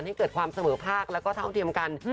ให้เกิดความเสมอภาคแล้วก็เท่าเทียมกัน